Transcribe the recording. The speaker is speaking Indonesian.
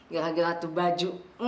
gara gara tuh baju